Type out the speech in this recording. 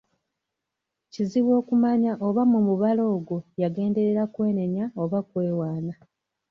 Kizibu okumanya oba mu mubala ogwo yagenderera kwenenya oba kwewaana.